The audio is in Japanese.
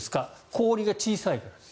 氷が小さいからです。